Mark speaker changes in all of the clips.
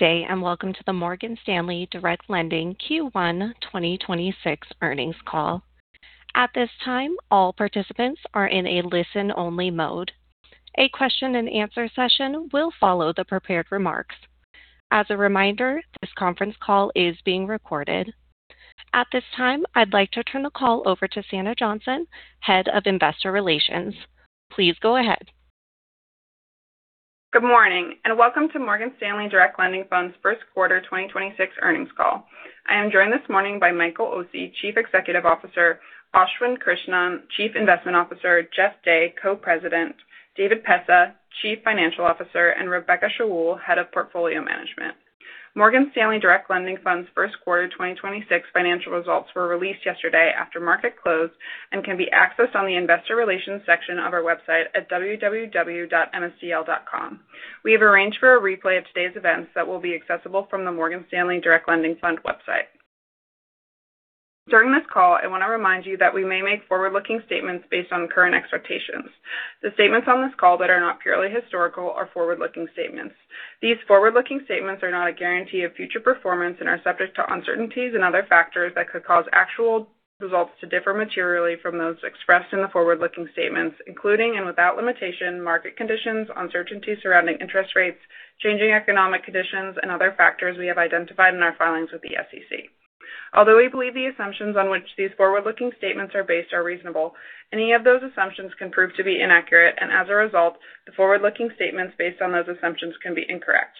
Speaker 1: Today and welcome to the Morgan Stanley Direct Lending Q1 2026 Earnings Call. At this time, all participants are in a listen-only mode. A question-and-answer session will follow the prepared remarks. As a reminder, this conference call is being recorded. At this time, I'd like to turn the call over to Sanna Johnson, Head of Investor Relations. Please go ahead.
Speaker 2: Good morning, and welcome to Morgan Stanley Direct Lending Fund's First Quarter 2026 Earnings Call. I am joined this morning by Michael Occi, Chief Executive Officer, Ashwin Krishnan, Chief Investment Officer, Jeff Day, Co-president, David Pessah, Chief Financial Officer, and Rebecca Shaoul, Head of Portfolio Management. Morgan Stanley Direct Lending Fund's first quarter 2026 financial results were released yesterday after market close and can be accessed on the investor relations section of our website at www.msdl.com. We have arranged for a replay of today's events that will be accessible from the Morgan Stanley Direct Lending Fund website. During this call, I want to remind you that we may make forward-looking statements based on current expectations. The statements on this call that are not purely historical are forward-looking statements. These forward-looking statements are not a guarantee of future performance and are subject to uncertainties and other factors that could cause actual results to differ materially from those expressed in the forward-looking statements, including, and without limitation, market conditions, uncertainties surrounding interest rates, changing economic conditions, and other factors we have identified in our filings with the SEC. Although we believe the assumptions on which these forward-looking statements are based are reasonable, any of those assumptions can prove to be inaccurate, and as a result, the forward-looking statements based on those assumptions can be incorrect.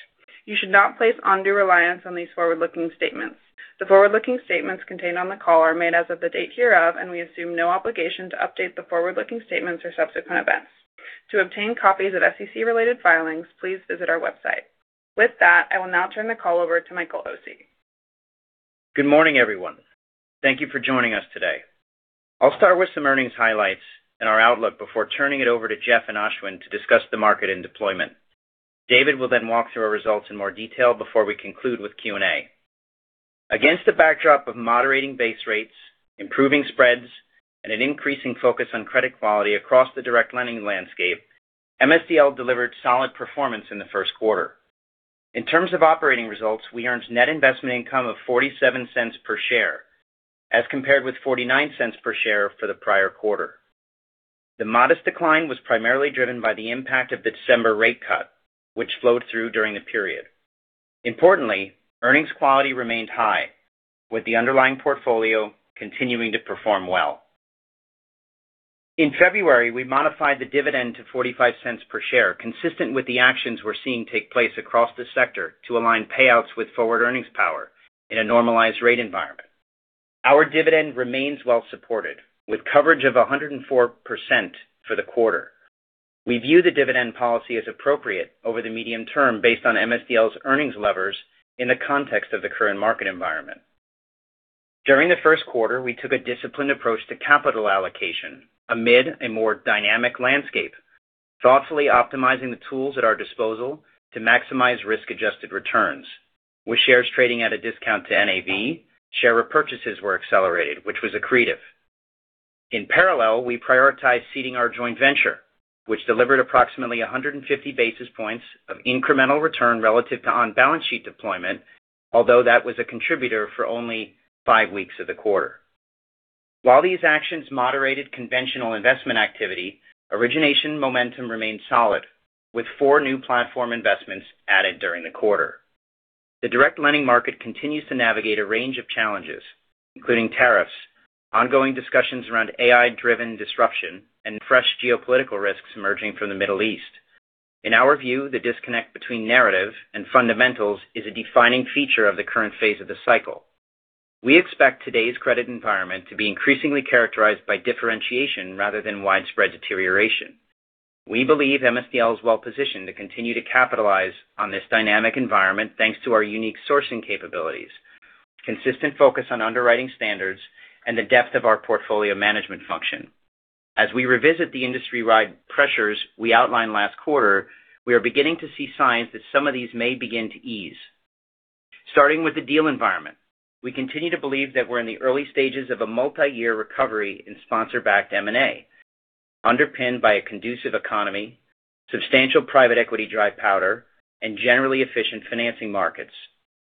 Speaker 2: You should not place undue reliance on these forward-looking statements. The forward-looking statements contained on the call are made as of the date hereof, and we assume no obligation to update the forward-looking statements or subsequent events. To obtain copies of SEC-related filings, please visit our website. With that, I will now turn the call over to Michael Occi.
Speaker 3: Good morning, everyone. Thank you for joining us today. I'll start with some earnings highlights and our outlook before turning it over to Jeff and Ashwin to discuss the market and deployment. David will then walk through our results in more detail before we conclude with Q&A. Against the backdrop of moderating base rates, improving spreads, and an increasing focus on credit quality across the direct lending landscape, MSDL delivered solid performance in the first quarter. In terms of operating results, we earned net investment income of $0.47 per share, as compared with $0.49 per share for the prior quarter. The modest decline was primarily driven by the impact of the December rate cut, which flowed through during the period. Importantly, earnings quality remained high, with the underlying portfolio continuing to perform well. In February, we modified the dividend to $0.45 per share, consistent with the actions we're seeing take place across the sector to align payouts with forward earnings power in a normalized rate environment. Our dividend remains well supported, with coverage of 104% for the quarter. We view the dividend policy as appropriate over the medium term based on MSDL's earnings levers in the context of the current market environment. During the first quarter, we took a disciplined approach to capital allocation amid a more dynamic landscape, thoughtfully optimizing the tools at our disposal to maximize risk-adjusted returns. With shares trading at a discount to NAV, share repurchases were accelerated, which was accretive. In parallel, we prioritized ceding our joint venture, which delivered approximately 150 basis points of incremental return relative to on-balance-sheet deployment, although that was a contributor for only five weeks of the quarter. While these actions moderated conventional investment activity, origination momentum remained solid, with four new platform investments added during the quarter. The direct lending market continues to navigate a range of challenges, including tariffs, ongoing discussions around AI-driven disruption, and fresh geopolitical risks emerging from the Middle East. In our view, the disconnect between narrative and fundamentals is a defining feature of the current phase of the cycle. We expect today's credit environment to be increasingly characterized by differentiation rather than widespread deterioration. We believe MSDL is well positioned to continue to capitalize on this dynamic environment, thanks to our unique sourcing capabilities, consistent focus on underwriting standards, and the depth of our portfolio management function. As we revisit the industry wide pressures we outlined last quarter, we are beginning to see signs that some of these may begin to ease. Starting with the deal environment, we continue to believe that we're in the early stages of a multi-year recovery in sponsor-backed M&A, underpinned by a conducive economy, substantial private equity dry powder, and generally efficient financing markets.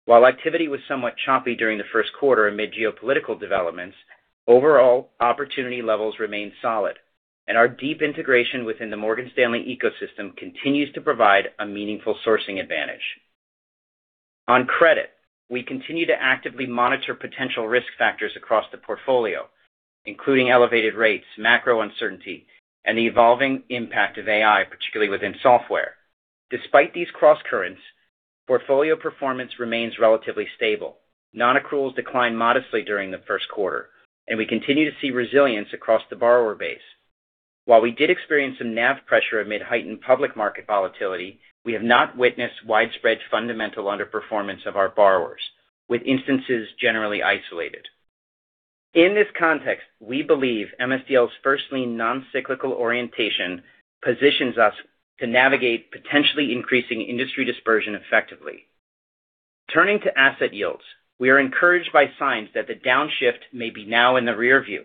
Speaker 3: While activity was somewhat choppy during the first quarter amid geopolitical developments, overall opportunity levels remain solid, and our deep integration within the Morgan Stanley ecosystem continues to provide a meaningful sourcing advantage. On credit, we continue to actively monitor potential risk factors across the portfolio, including elevated rates, macro uncertainty, and the evolving impact of AI, particularly within software. Despite these crosscurrents, portfolio performance remains relatively stable. Non-accruals declined modestly during the first quarter, and we continue to see resilience across the borrower base. While we did experience some NAV pressure amid heightened public market volatility, we have not witnessed widespread fundamental underperformance of our borrowers, with instances generally isolated. In this context, we believe MSDL's first lien non-cyclical orientation positions us to navigate potentially increasing industry dispersion effectively. Turning to asset yields, we are encouraged by signs that the downshift may be now in the rearview.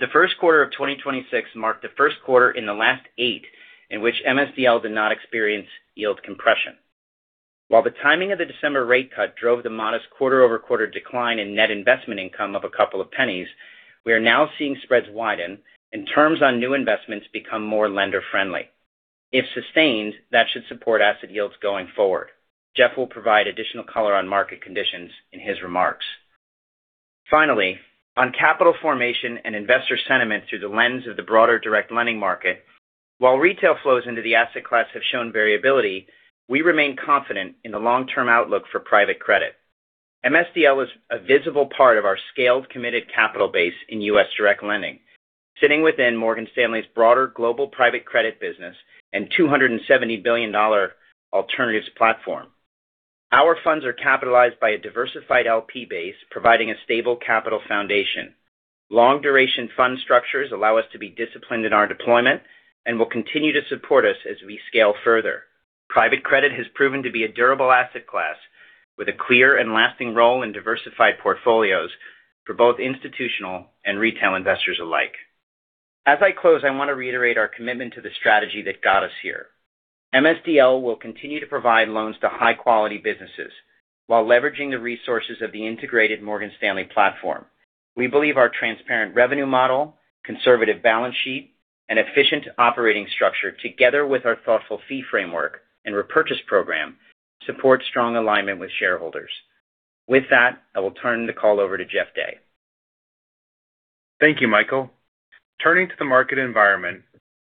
Speaker 3: The first quarter of 2026 marked the first quarter in the last eight in which MSDL did not experience yield compression. While the timing of the December rate cut drove the modest quarter-over-quarter decline in net investment income of $0.02, we are now seeing spreads widen and terms on new investments become more lender-friendly. If sustained, that should support asset yields going forward. Jeff will provide additional color on market conditions in his remarks. On capital formation and investor sentiment through the lens of the broader direct lending market, while retail flows into the asset class have shown variability, we remain confident in the long-term outlook for private credit. MSDL is a visible part of our scaled committed capital base in U.S. direct lending, sitting within Morgan Stanley's broader global Private Credit business and $270 billion alternatives platform. Our funds are capitalized by a diversified LP base, providing a stable capital foundation. Long duration fund structures allow us to be disciplined in our deployment and will continue to support us as we scale further. Private credit has proven to be a durable asset class with a clear and lasting role in diversified portfolios for both institutional and retail investors alike. As I close, I want to reiterate our commitment to the strategy that got us here. MSDL will continue to provide loans to high-quality businesses while leveraging the resources of the integrated Morgan Stanley platform. We believe our transparent revenue model, conservative balance sheet, and efficient operating structure, together with our thoughtful fee framework and repurchase program, support strong alignment with shareholders. With that, I will turn the call over to Jeff Day.
Speaker 4: Thank you, Michael. Turning to the market environment,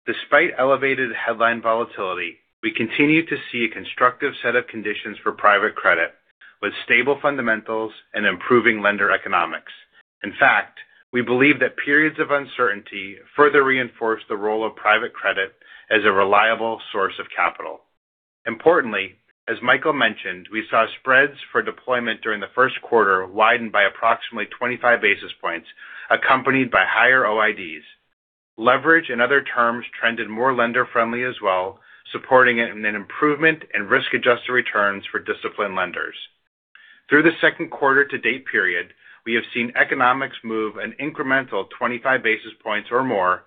Speaker 4: despite elevated headline volatility, we continue to see a constructive set of conditions for private credit, with stable fundamentals and improving lender economics. In fact, we believe that periods of uncertainty further reinforce the role of private credit as a reliable source of capital. Importantly, as Michael mentioned, we saw spreads for deployment during the first quarter widened by approximately 25 basis points, accompanied by higher OIDs. Leverage and other terms trended more lender-friendly as well, supporting it in an improvement in risk-adjusted returns for disciplined lenders. Through the second quarter to date period, we have seen economics move an incremental 25 basis points or more,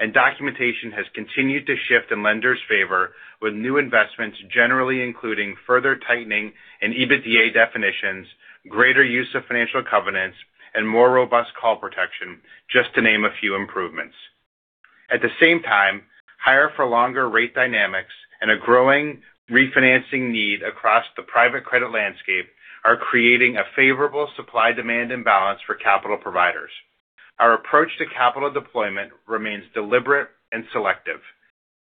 Speaker 4: and documentation has continued to shift in lenders' favor, with new investments generally including further tightening in EBITDA definitions, greater use of financial covenants, and more robust call protection, just to name a few improvements. At the same time, higher for longer rate dynamics and a growing refinancing need across the private credit landscape are creating a favorable supply-demand imbalance for capital providers. Our approach to capital deployment remains deliberate and selective.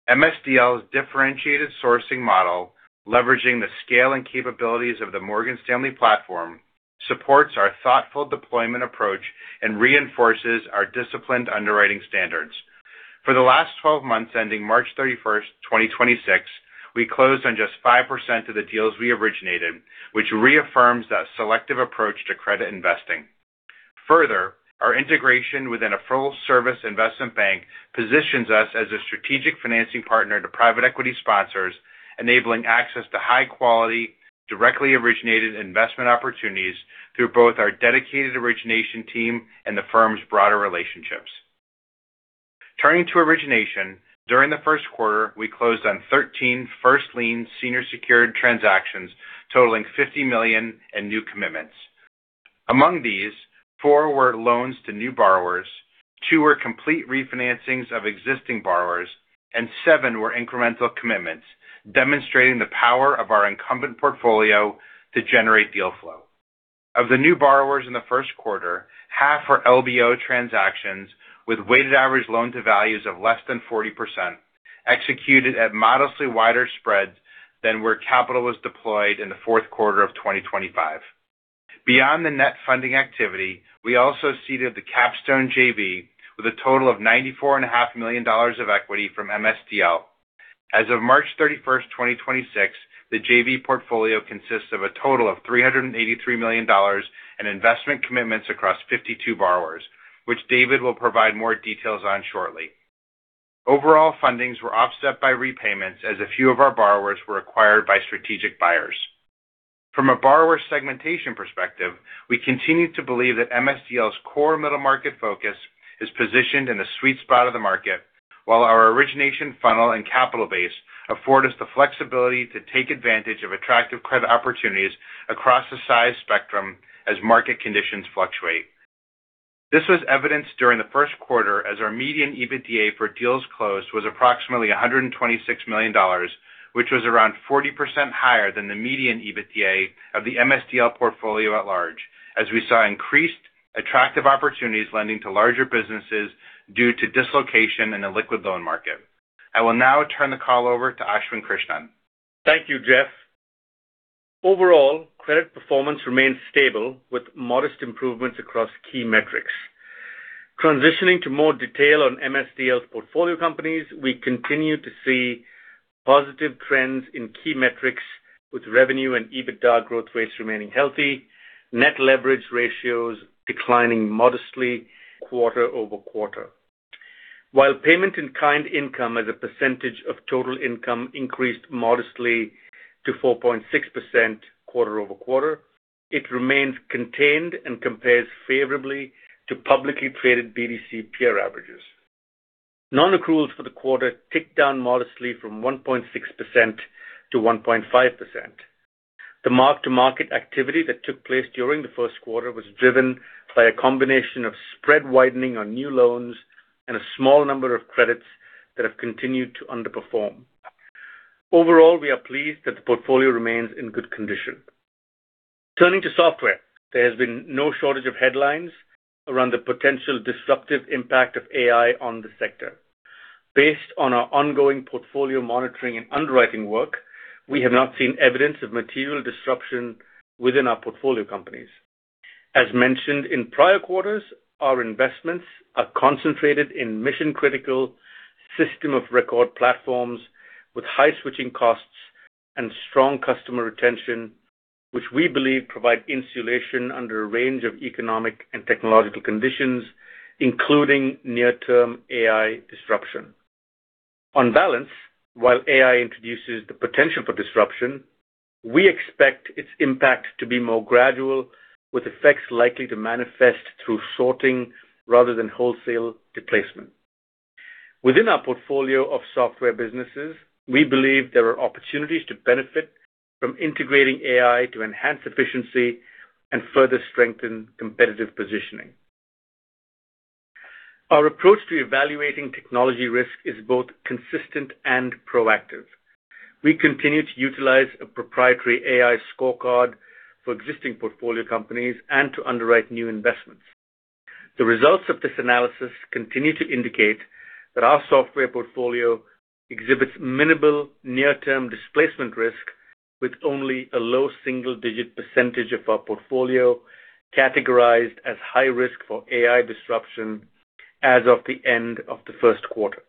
Speaker 4: MSDL's differentiated sourcing model, leveraging the scale and capabilities of the Morgan Stanley platform, supports our thoughtful deployment approach and reinforces our disciplined underwriting standards. For the last 12 months, ending March 31st, 2026, we closed on just 5% of the deals we originated, which reaffirms that selective approach to credit investing. Our integration within a full-service investment bank positions us as a strategic financing partner to private equity sponsors, enabling access to high-quality, directly originated investment opportunities through both our dedicated origination team and the firm's broader relationships. Turning to origination, during the first quarter, we closed on 13 first-lien senior secured transactions totaling $50 million in new commitments. Among these, four were loans to new borrowers, two were complete refinancings of existing borrowers, and seven were incremental commitments, demonstrating the power of our incumbent portfolio to generate deal flow. Of the new borrowers in the first quarter, half were LBO transactions with weighted average loan to values of less than 40%, executed at modestly wider spreads than where capital was deployed in the fourth quarter of 2025. Beyond the net funding activity, we also seeded the Capstone JV with a total of $94.5 million of equity from MSDL. As of March 31st, 2026, the JV portfolio consists of a total of $383 million in investment commitments across 52 borrowers, which David will provide more details on shortly. Overall, fundings were offset by repayments as a few of our borrowers were acquired by strategic buyers. From a borrower segmentation perspective, we continue to believe that MSDL's core middle market focus is positioned in the sweet spot of the market, while our origination funnel and capital base afford us the flexibility to take advantage of attractive credit opportunities across the size spectrum as market conditions fluctuate. This was evidenced during the first quarter as our median EBITDA for deals closed was approximately $126 million, which was around 40% higher than the median EBITDA of the MSDL portfolio at large, as we saw increased attractive opportunities lending to larger businesses due to dislocation in the liquid loan market. I will now turn the call over to Ashwin Krishnan.
Speaker 5: Thank you, Jeff. Overall, credit performance remains stable with modest improvements across key metrics. Transitioning to more detail on MSDL's portfolio companies, we continue to see positive trends in key metrics with revenue and EBITDA growth rates remaining healthy, net leverage ratios declining modestly quarter-over-quarter. While payment in kind income as a percentage of total income increased modestly to 4.6% quarter-over-quarter, it remains contained and compares favorably to publicly traded BDC peer averages. Non-accruals for the quarter ticked down modestly from 1.6% to 1.5%. The mark-to-market activity that took place during the first quarter was driven by a combination of spread widening on new loans and a small number of credits that have continued to underperform. Overall, we are pleased that the portfolio remains in good condition. Turning to software, there has been no shortage of headlines around the potential disruptive impact of AI on the sector. Based on our ongoing portfolio monitoring and underwriting work, we have not seen evidence of material disruption within our portfolio companies. As mentioned in prior quarters, our investments are concentrated in mission-critical system of record platforms with high switching costs and strong customer retention, which we believe provide insulation under a range of economic and technological conditions, including near-term AI disruption. On balance, while AI introduces the potential for disruption, we expect its impact to be more gradual, with effects likely to manifest through sorting rather than wholesale displacement. Within our portfolio of software businesses, we believe there are opportunities to benefit from integrating AI to enhance efficiency and further strengthen competitive positioning. Our approach to evaluating technology risk is both consistent and proactive. We continue to utilize a proprietary AI scorecard for existing portfolio companies and to underwrite new investments. The results of this analysis continue to indicate that our software portfolio exhibits minimal near-term displacement risk with only a low single-digit percentage of our portfolio categorized as high risk for AI disruption as of the end of the first quarter.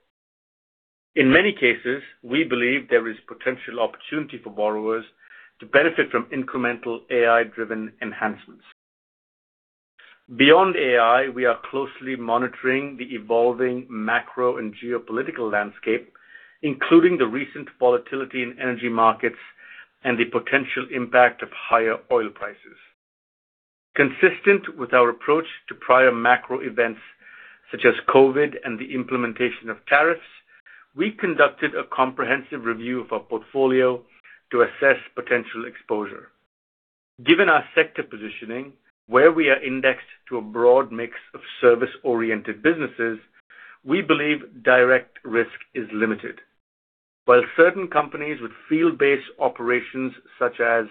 Speaker 5: In many cases, we believe there is potential opportunity for borrowers to benefit from incremental AI-driven enhancements. Beyond AI, we are closely monitoring the evolving macro and geopolitical landscape, including the recent volatility in energy markets and the potential impact of higher oil prices. Consistent with our approach to prior macro events such as COVID and the implementation of tariffs, we conducted a comprehensive review of our portfolio to assess potential exposure. Given our sector positioning, where we are indexed to a broad mix of service-oriented businesses, we believe direct risk is limited. While certain companies with field-based operations such as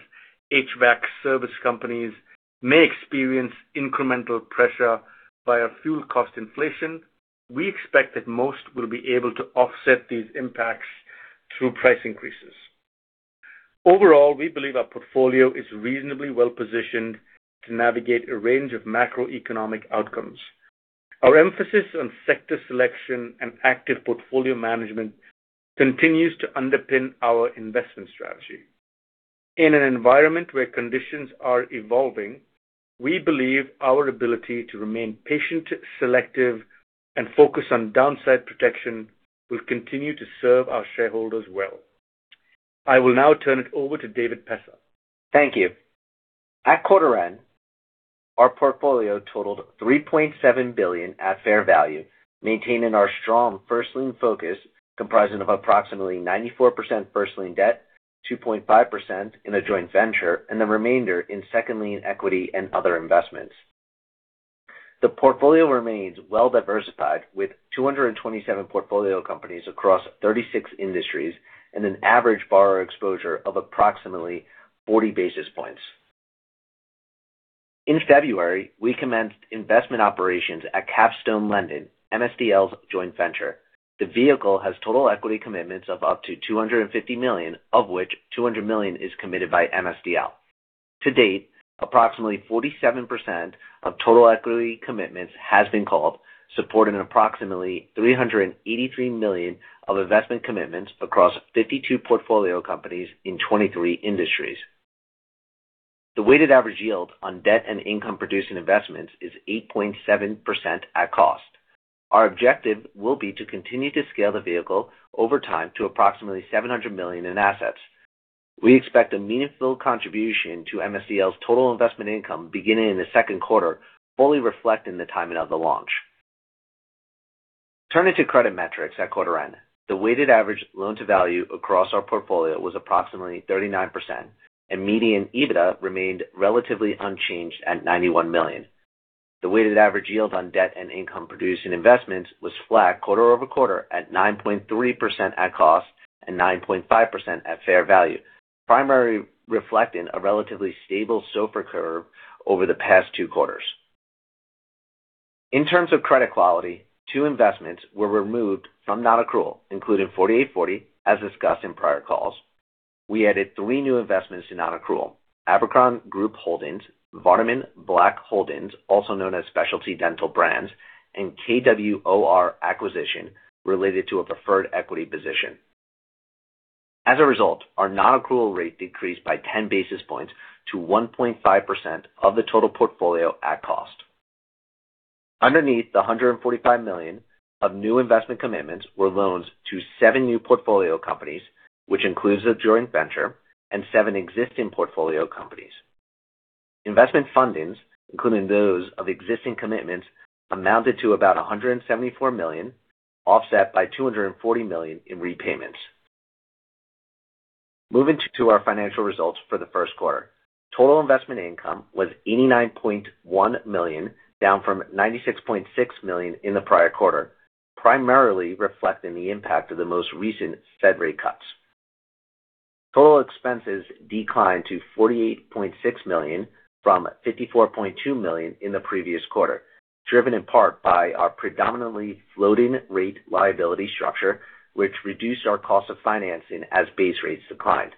Speaker 5: HVAC service companies may experience incremental pressure via fuel cost inflation, we expect that most will be able to offset these impacts through price increases. Overall, we believe our portfolio is reasonably well-positioned to navigate a range of macroeconomic outcomes. Our emphasis on sector selection and active portfolio management continues to underpin our investment strategy. In an environment where conditions are evolving, we believe our ability to remain patient, selective, and focused on downside protection will continue to serve our shareholders well. I will now turn it over to David Pessah.
Speaker 6: Thank you. At quarter end, our portfolio totaled $3.7 billion at fair value, maintaining our strong first lien focus comprising of approximately 94% first lien debt, 2.5% in a joint venture, and the remainder in second lien equity and other investments. The portfolio remains well-diversified with 227 portfolio companies across 36 industries and an average borrower exposure of approximately 40 basis points. In February, we commenced investment operations at Capstone Lending, MSDL's joint venture. The vehicle has total equity commitments of up to $250 million, of which $200 million is committed by MSDL. To date, approximately 47% of total equity commitments has been called, supporting approximately $383 million of investment commitments across 52 portfolio companies in 23 industries. The weighted average yield on debt and income-producing investments is 8.7% at cost. Our objective will be to continue to scale the vehicle over time to approximately $700 million in assets. We expect a meaningful contribution to MSDL's total investment income beginning in the second quarter, fully reflecting the timing of the launch. Turning to credit metrics at quarter end. The weighted average loan-to-value across our portfolio was approximately 39%, and median EBITDA remained relatively unchanged at $91 million. The weighted average yield on debt and income-producing investments was flat quarter-over-quarter at 9.3% at cost and 9.5% at fair value, primarily reflecting a relatively stable SOFR curve over the past two quarters. In terms of credit quality, two investments were removed from non-accrual, including 48forty, as discussed in prior calls. We added three new investments to non-accrual: Abercorn Group Holdings, Vardiman Black Holdings, also known as Specialty Dental Brands, and KWOR Acquisition related to a preferred equity position. As a result, our non-accrual rate decreased by 10 basis points to 1.5% of the total portfolio at cost. Underneath the $145 million of new investment commitments were loans to seven new portfolio companies, which includes a joint venture and seven existing portfolio companies. Investment fundings, including those of existing commitments, amounted to about $174 million, offset by $240 million in repayments. Moving to our financial results for the first quarter. Total investment income was $89.1 million, down from $96.6 million in the prior quarter, primarily reflecting the impact of the most recent Fed rate cuts. Total expenses declined to $48.6 million from $54.2 million in the previous quarter, driven in part by our predominantly floating rate liability structure, which reduced our cost of financing as base rates declined.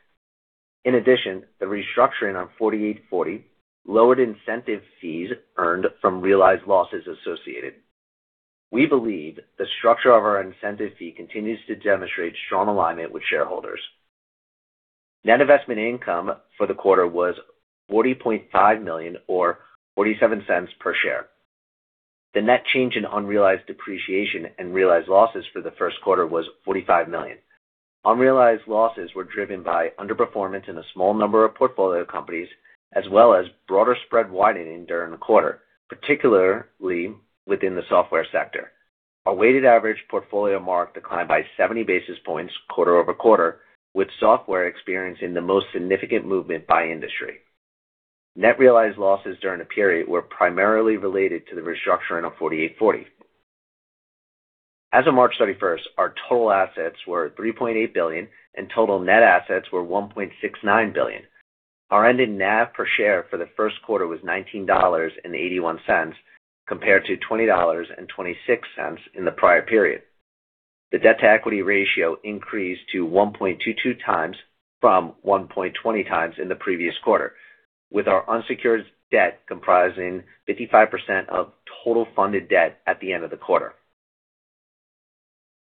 Speaker 6: In addition, the restructuring on 48forty lowered incentive fees earned from realized losses. We believe the structure of our incentive fee continues to demonstrate strong alignment with shareholders. Net investment income for the quarter was $40.5 million or $0.47 per share. The net change in unrealized depreciation and realized losses for the first quarter was $45 million. Unrealized losses were driven by underperformance in a small number of portfolio companies, as well as broader spread widening during the quarter, particularly within the software sector. Our weighted average portfolio mark declined by 70 basis points quarter-over-quarter, with software experiencing the most significant movement by industry. Net realized losses during the period were primarily related to the restructuring of 48forty. As of March 31st, our total assets were $3.8 billion, and total net assets were $1.69 billion. Our ended NAV per share for the first quarter was $19.81 compared to $20.26 in the prior period. The debt to equity ratio increased to 1.22x from 1.20x in the previous quarter, with our unsecured debt comprising 55% of total funded debt at the end of the quarter.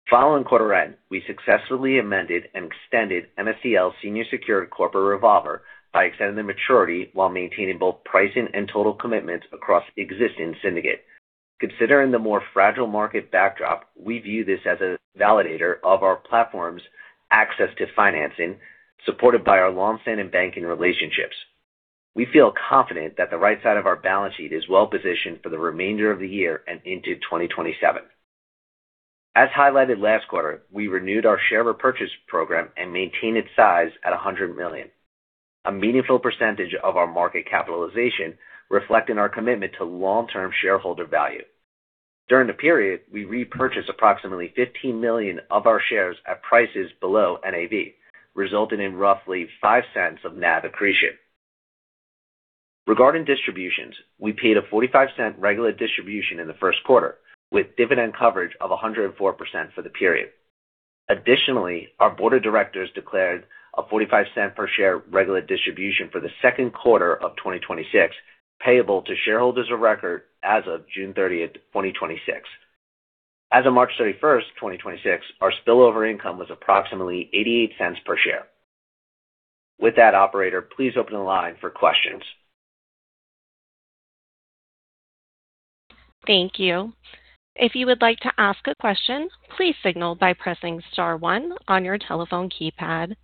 Speaker 6: Following quarter end, we successfully amended and extended MSDL senior secured corporate revolver by extending the maturity while maintaining both pricing and total commitments across existing syndicate. Considering the more fragile market backdrop, we view this as a validator of our platform's access to financing supported by our longstanding banking relationships. We feel confident that the right side of our balance sheet is well-positioned for the remainder of the year and into 2027. As highlighted last quarter, we renewed our share repurchase program and maintained its size at $100 million, a meaningful percentage of our market capitalization, reflecting our commitment to long-term shareholder value. During the period, we repurchased approximately $15 million of our shares at prices below NAV, resulting in roughly $0.05 of NAV accretion. Regarding distributions, we paid a $0.45 regular distribution in the first quarter, with dividend coverage of 104% for the period. Additionally, our board of directors declared a $0.45 per share regular distribution for the second quarter of 2026, payable to shareholders of record as of June 30, 2026. As of March 31st, 2026, our spillover income was approximately $0.88 per share. With that, operator, please open the line for questions.
Speaker 1: Thank you. If you would like to ask a question, please signal by pressing star one on your telephone keypad.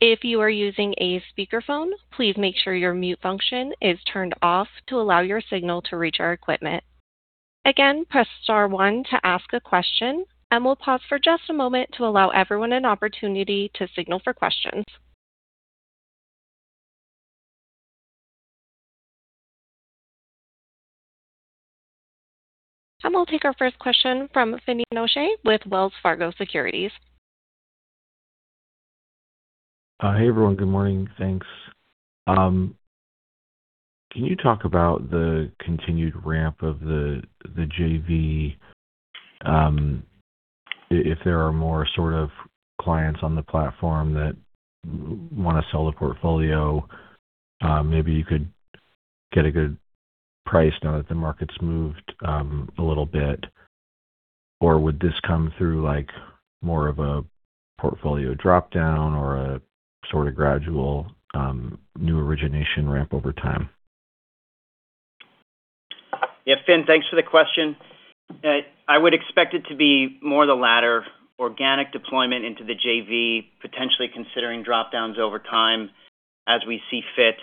Speaker 1: If you are using a speakerphone, please make sure your mute function is turned off to allow your signal to reach our equipment. Again, press star one to ask a question. We'll pause for just a moment to allow everyone an opportunity to signal for questions. We'll take our first question from Finian O'Shea with Wells Fargo Securities.
Speaker 7: Hey everyone. Good morning. Thanks. Can you talk about the continued ramp of the JV? If there are more sort of clients on the platform that wanna sell the portfolio, maybe you could get a good price now that the market's moved a little bit. Would this come through like more of a portfolio dropdown or a sort of gradual new origination ramp over time?
Speaker 3: Yeah, Finn, thanks for the question. I would expect it to be more the latter, organic deployment into the JV, potentially considering dropdowns over time as we see fit.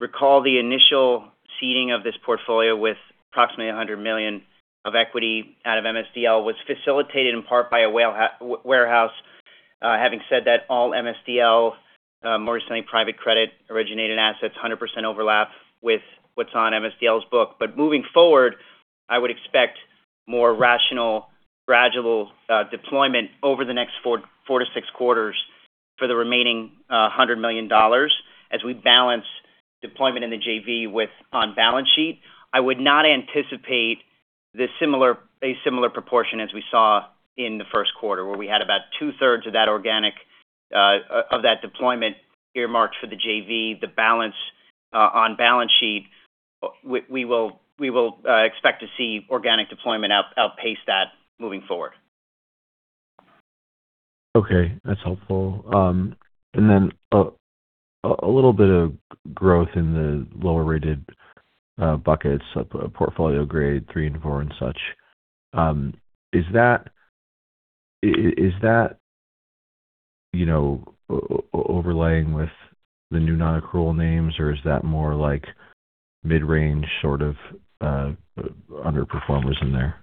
Speaker 3: Recall the initial seeding of this portfolio with approximately $100 million of equity out of MSDL was facilitated in part by a warehouse. Having said that, all MSDL, Morgan Stanley Private Credit originated assets 100% overlap with what's on MSDL's book. Moving forward, I would expect more rational, gradual deployment over the next four to six quarters for the remaining $100 million as we balance deployment in the JV with on balance sheet. I would not anticipate a similar proportion as we saw in the first quarter, where we had about 2/3 of that organic deployment earmarked for the JV. The balance on balance sheet. We will expect to see organic deployment outpace that moving forward.
Speaker 7: Okay. That's helpful. And then, a little bit of growth in the lower rated, buckets, portfolio grade three and four, and such. Is that, you know, overlaying with the new non-accrual names? Or is that more like mid-range sort of, underperformers in there?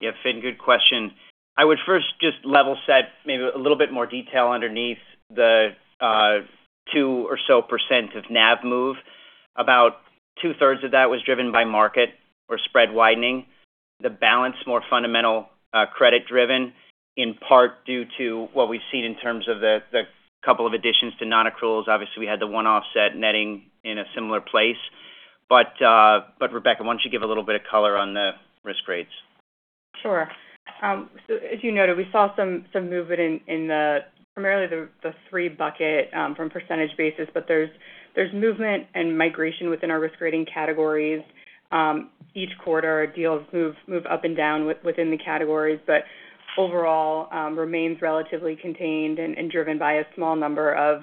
Speaker 3: Yeah, Finn, good question. I would first just level set maybe a little bit more detail underneath the 2% or so of NAV move. About 2/3 of that was driven by market or spread widening. The balance, more fundamental, credit driven, in part due to what we've seen in terms of the couple of additions to non-accruals. Obviously, we had the one-off set netting in a similar place. Rebecca, why don't you give a little bit of color on the risk grades?
Speaker 8: Sure. As you noted, we saw some movement in the primarily the three bucket from percentage basis. There's movement and migration within our risk grading categories. Each quarter deals move up and down within the categories. Overall, remains relatively contained and driven by a small number of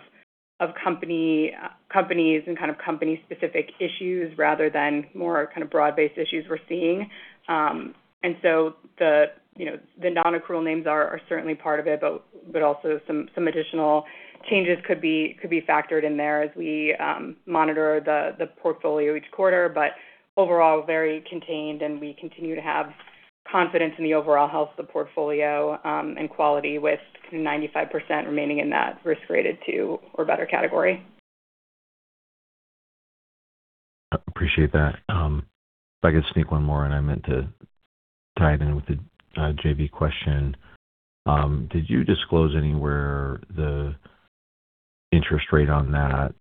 Speaker 8: companies and kind of company-specific issues rather than more kind of broad-based issues we're seeing. The, you know, the non-accrual names are certainly part of it, but also some additional changes could be factored in there as we monitor the portfolio each quarter. Overall, very contained, and we continue to have confidence in the overall health of the portfolio and quality with 95% remaining in that risk graded 2 or better category.
Speaker 7: Appreciate that. If I could sneak one more in, I meant to tie it in with the JV question. Did you disclose anywhere the interest rate on that?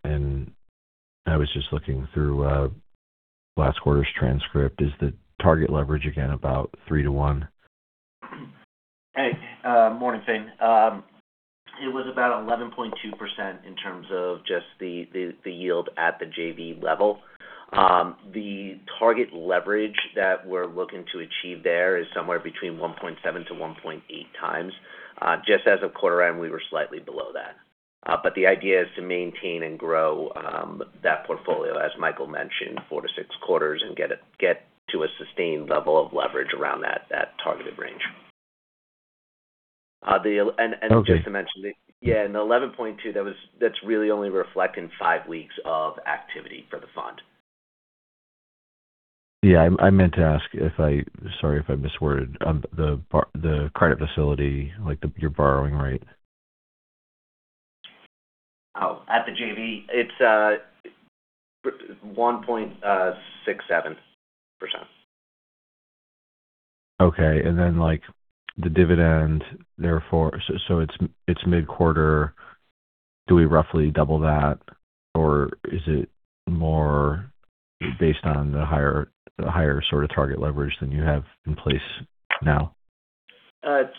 Speaker 7: I was just looking through last quarter's transcript. Is the target leverage again about 3x to 1x?
Speaker 6: Hey. Morning, Finn. It was about 11.2% in terms of just the yield at the JV level. The target leverage that we're looking to achieve there is somewhere between 1.7x-1.8x. Just as of quarter end, we were slightly below that. But the idea is to maintain and grow that portfolio, as Michael mentioned, four to six quarters and get to a sustained level of leverage around that targeted range.
Speaker 7: Okay.
Speaker 6: Yeah. The 11.2%, that's really only reflecting 5 weeks of activity for the fund.
Speaker 7: Yeah. I meant to ask if I sorry if I misworded. The credit facility, like your borrowing rate.
Speaker 6: Oh, at the JV, it's 1.67%.
Speaker 7: Okay. Like the dividend therefore it's mid-quarter. Do we roughly double that? Is it more based on the higher sort of target leverage than you have in place now?
Speaker 6: It's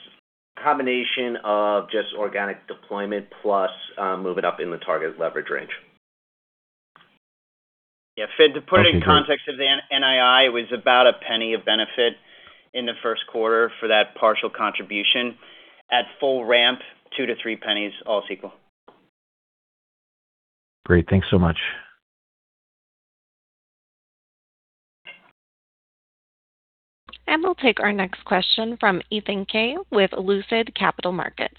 Speaker 6: combination of just organic deployment plus, move it up in the target leverage range.
Speaker 3: Yeah. Finn, to put it in context of the NII, it was about $0.01 of benefit in the first quarter for that partial contribution. At full ramp, $0.02-$0.03 all sequel.
Speaker 7: Great. Thanks so much.
Speaker 1: We'll take our next question from Ethan Kaye with Lucid Capital Markets.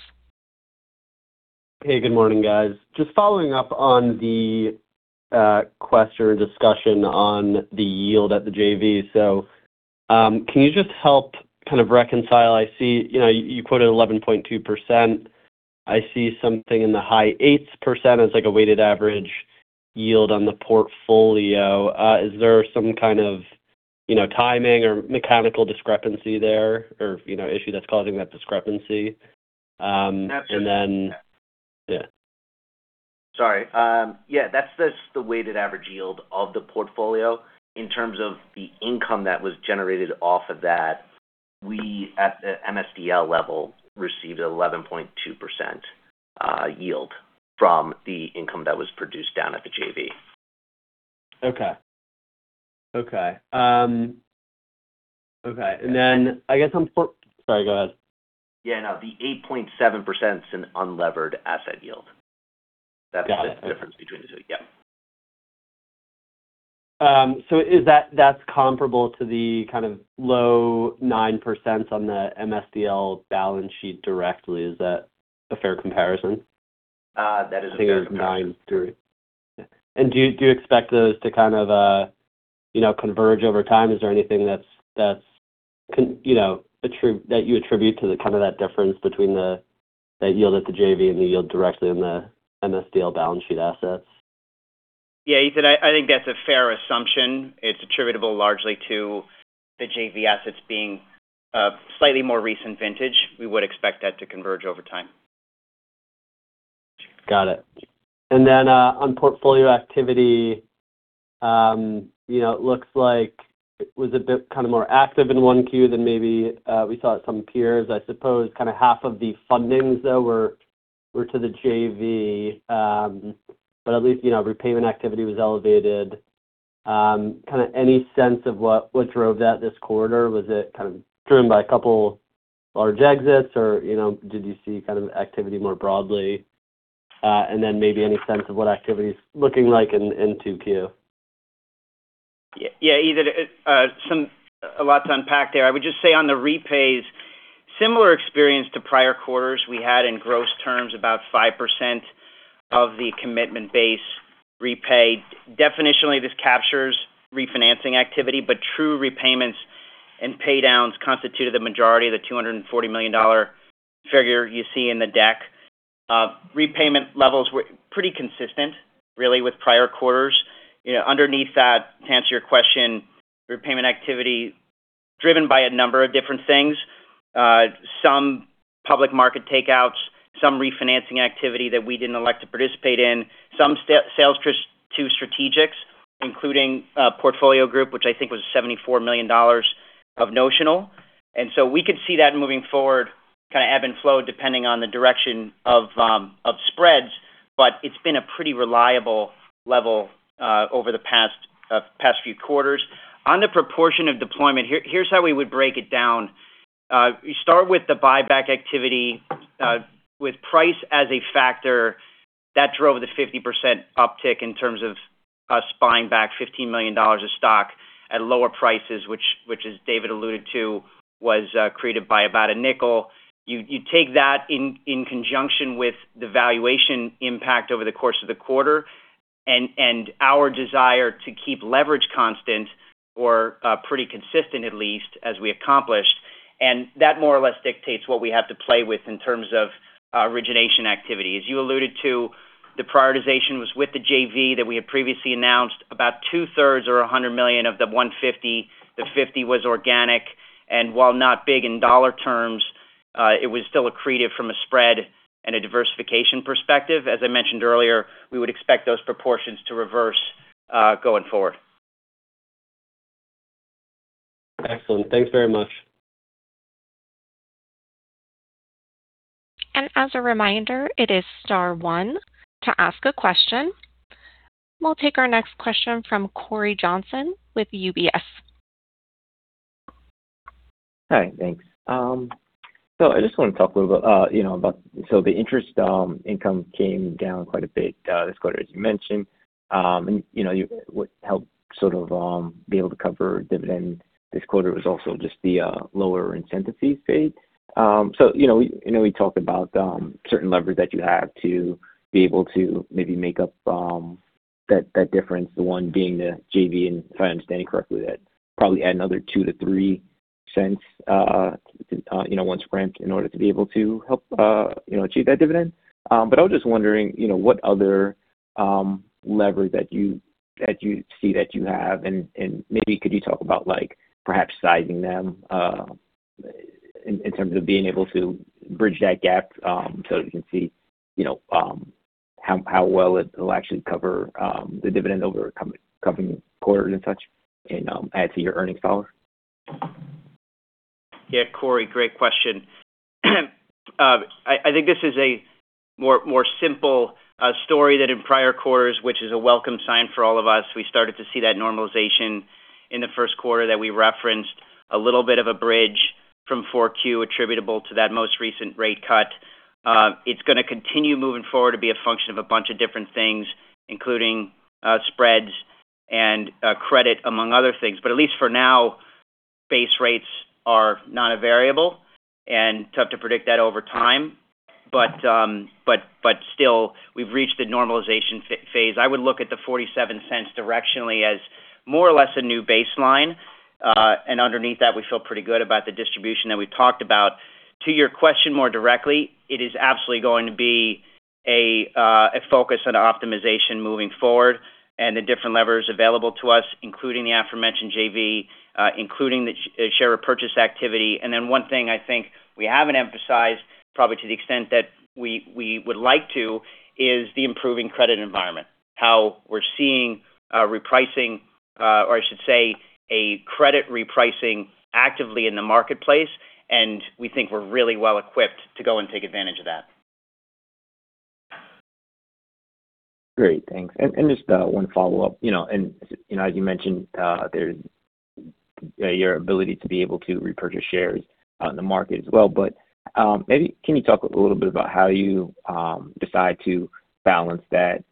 Speaker 9: Hey, good morning, guys. Just following up on the question or discussion on the yield at the JV. Can you just help kind of reconcile? I see, you know, you quoted 11.2%. I see something in the high 8s% as like a weighted average yield on the portfolio. Is there some kind of, you know, timing or mechanical discrepancy there or, you know, issue that's causing that discrepancy?
Speaker 6: Absolutely.
Speaker 9: Yeah.
Speaker 6: Sorry. yeah. That's just the weighted average yield of the portfolio. In terms of the income that was generated off of that, we at the MSDL level received 11.2% yield from the income that was produced down at the JV.
Speaker 9: Okay. Okay. okay. I guess. Sorry, go ahead.
Speaker 6: Yeah, no. The 8.7% is an unlevered asset yield.
Speaker 9: Got it.
Speaker 6: That's the difference between the two. Yeah.
Speaker 9: That's comparable to the kind of low 9% on the MSDL balance sheet directly. Is that a fair comparison?
Speaker 6: That is a fair comparison.
Speaker 9: I think it was 9.3. Yeah. Do you expect those to kind of, you know, converge over time? Is there anything that you attribute to the kind of that difference between the yield at the JV and the yield directly in the MSDL balance sheet assets?
Speaker 3: Yeah. Ethan, I think that's a fair assumption. It's attributable largely to the JV assets being slightly more recent vintage. We would expect that to converge over time.
Speaker 9: Got it. On portfolio activity, you know, it looks like it was a bit kind of more active in 1Q than maybe we saw at some peers. I suppose kind of half of the fundings, though, were to the JV, but at least, you know, repayment activity was elevated. Kind of any sense of what drove that this quarter? Was it kind of driven by a couple large exits or, you know, did you see kind of activity more broadly? Maybe any sense of what activity's looking like in 2Q.
Speaker 3: Yeah, Ethan, a lot to unpack there. I would just say on the repays, similar experience to prior quarters. We had in gross terms about 5% of the commitment base repaid. Definitionally, this captures refinancing activity, but true repayments and pay downs constituted the majority of the $240 million figure you see in the deck. Repayment levels were pretty consistent really with prior quarters. You know, underneath that, to answer your question, repayment activity driven by a number of different things. Some public market takeouts, some refinancing activity that we didn't elect to participate in, some sales to strategics, including a portfolio group, which I think was $74 million of notional. We could see that moving forward kinda ebb and flow depending on the direction of spreads, but it's been a pretty reliable level over the past few quarters. On the proportion of deployment, here's how we would break it down. You start with the buyback activity with price as a factor. That drove the 50% uptick in terms of us buying back $15 million of stock at lower prices, which as David alluded to, was accreted by about $0.05. You take that in conjunction with the valuation impact over the course of the quarter and our desire to keep leverage constant or pretty consistent at least, as we accomplished, and that more or less dictates what we have to play with in terms of origination activity. As you alluded to, the prioritization was with the JV that we had previously announced. About 2/3 or $100 million of the $150. The $50 was organic. While not big in dollar terms, it was still accreted from a spread and a diversification perspective. As I mentioned earlier, we would expect those proportions to reverse, going forward.
Speaker 9: Excellent. Thanks very much.
Speaker 1: As a reminder, it is star one to ask a question. We'll take our next question from Cory Johnson with UBS.
Speaker 10: Hi, thanks. I just wanna talk a little bit, you know, about so the interest income came down quite a bit this quarter, as you mentioned. You know, what helped sort of be able to cover dividend this quarter was also just the lower incentive fee paid. You know, you know, we talked about certain leverage that you have to be able to maybe make up that difference, the one being the JV. If I understand correctly, that probably add another $0.02-$0.03, you know, once ramped in order to be able to help, you know, achieve that dividend. I was just wondering, you know, what other leverage that you see that you have. Maybe could you talk about like perhaps sizing them, in terms of being able to bridge that gap, so we can see, you know, how well it'll actually cover, the dividend over a coming quarter and such and, add to your earnings dollar.
Speaker 3: Yeah, Cory, great question. I think this is a more simple story than in prior quarters, which is a welcome sign for all of us. We started to see that normalization in the first quarter that we referenced a little bit of a bridge from 4Q attributable to that most recent rate cut. It's gonna continue moving forward to be a function of a bunch of different things, including spreads and credit, among other things. At least for now, base rates are not a variable, and tough to predict that over time. Still, we've reached the normalization phase. I would look at the $0.47 directionally as more or less a new baseline. Underneath that, we feel pretty good about the distribution that we talked about. To your question more directly, it is absolutely going to be a focus on optimization moving forward and the different levers available to us, including the aforementioned JV, including the share repurchase activity. One thing I think we haven't emphasized, probably to the extent that we would like to, is the improving credit environment. How we're seeing a repricing, or I should say a credit repricing actively in the marketplace, and we think we're really well equipped to go and take advantage of that.
Speaker 10: Great. Thanks. Just one follow-up, you know, and you know, as you mentioned, there's your ability to be able to repurchase shares in the market as well. Maybe can you talk a little bit about how you decide to balance that,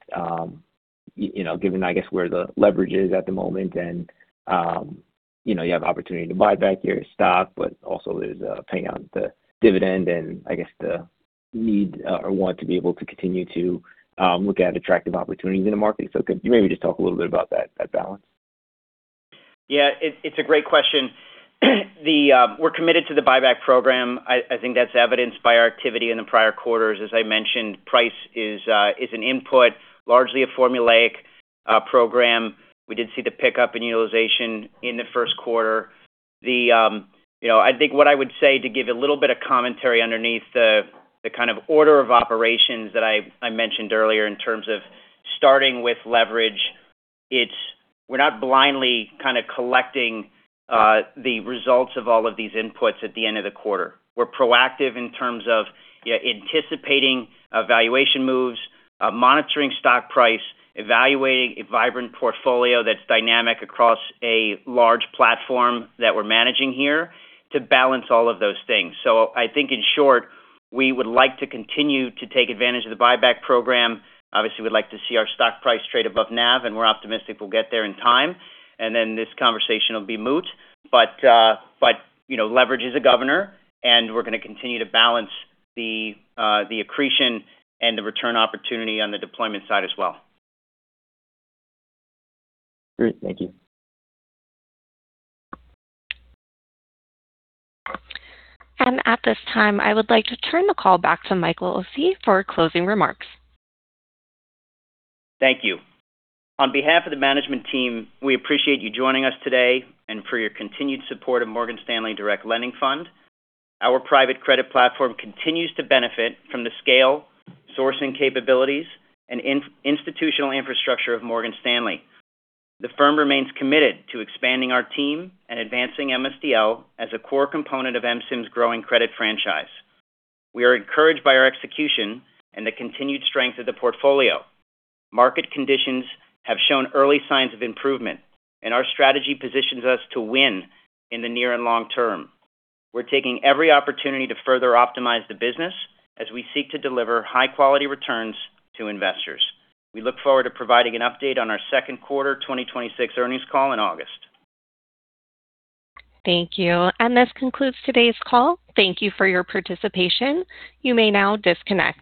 Speaker 10: you know, given I guess where the leverage is at the moment and you know, you have opportunity to buy back your stock, but also there's paying out the dividend and I guess the need or want to be able to continue to look at attractive opportunities in the market. Can you maybe just talk a little bit about that balance?
Speaker 3: Yeah, it's a great question. We're committed to the buyback program. I think that's evidenced by our activity in the prior quarters. As I mentioned, price is an input, largely a formulaic program. We did see the pickup in utilization in the first quarter. You know, I think what I would say to give a little bit of commentary underneath the kind of order of operations that I mentioned earlier in terms of starting with leverage, it's we're not blindly kinda collecting the results of all of these inputs at the end of the quarter. We're proactive in terms of, yeah, anticipating valuation moves, monitoring stock price, evaluating a vibrant portfolio that's dynamic across a large platform that we're managing here to balance all of those things. I think in short, we would like to continue to take advantage of the buyback program. Obviously, we'd like to see our stock price trade above NAV, and we're optimistic we'll get there in time. This conversation will be moot. But, you know, leverage is a governor, and we're gonna continue to balance the accretion and the return opportunity on the deployment side as well.
Speaker 10: Great. Thank you.
Speaker 1: At this time, I would like to turn the call back to Michael Occi for closing remarks.
Speaker 3: Thank you. On behalf of the management team, we appreciate you joining us today and for your continued support of Morgan Stanley Direct Lending Fund. Our private credit platform continues to benefit from the scale, sourcing capabilities and institutional infrastructure of Morgan Stanley. The firm remains committed to expanding our team and advancing MSDL as a core component of MSIM's growing credit franchise. We are encouraged by our execution and the continued strength of the portfolio. Market conditions have shown early signs of improvement, and our strategy positions us to win in the near and long term. We're taking every opportunity to further optimize the business as we seek to deliver high-quality returns to investors. We look forward to providing an update on our second quarter 2026 earnings call in August.
Speaker 1: Thank you. This concludes today's call. Thank you for your participation. You may now disconnect.